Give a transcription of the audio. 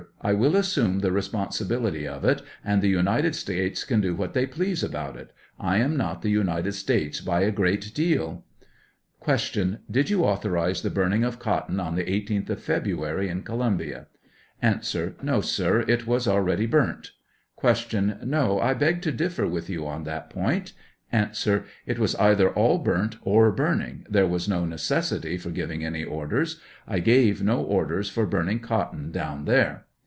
I will assume the responsibility of it and the United States can do what they please about it ; I am not the United States by a great deal. Q. Did you authorize the burning of cotton on the 18th of February, in Columbia? A. No, sir ; it was already burnt ? Q. No; I beg to differ with you on that point ? A. It was either all burnt or burning ; there was no necessity for giving any orders; I gave no orders for burning cotton down there.